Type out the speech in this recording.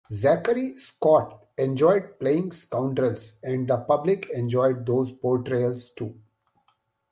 Zachary Scott enjoyed playing scoundrels, and the public enjoyed those portrayals, too.